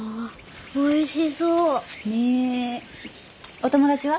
お友達は？